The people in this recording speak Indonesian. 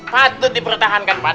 patut dipertahankan pak d